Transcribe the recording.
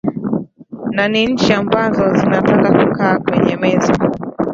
na ni nchi ambazo zinataka kukaa kwenye meza